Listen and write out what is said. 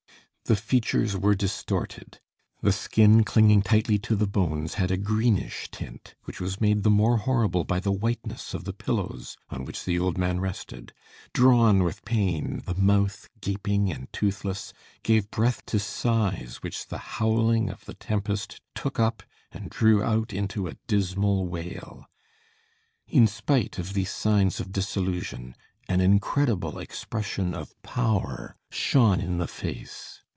The features were distorted; the skin, clinging tightly to the bones, had a greenish tint, which was made the more horrible by the whiteness of the pillows on which the old man rested; drawn with pain, the mouth, gaping and toothless, gave breath to sighs which the howling of the tempest took up and drew out into a dismal wail. In spite of these signs of dissolution an incredible expression of power shone in the face.